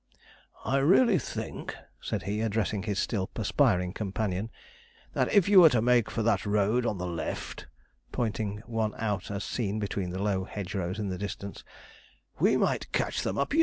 'I really think,' said he, addressing his still perspiring companion, 'that if you were to make for that road on the left' (pointing one out as seen between the low hedge rows in the distance), 'we might catch them up yet.'